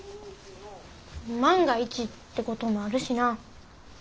万が一ってこともあるしな。